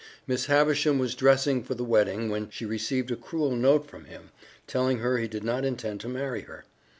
Miss Havisham was dressing for the wedding when she received a cruel note from him telling her he did not intend to marry her.